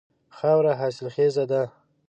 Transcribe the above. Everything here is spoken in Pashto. خاوره حاصل خیزه ده.